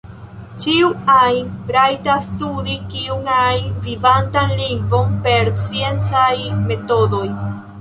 Ĉiu ajn rajtas studi kiun ajn vivantan lingvon per sciencaj metodoj.